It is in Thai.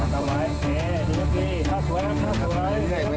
ฮู้คุณผู้ชม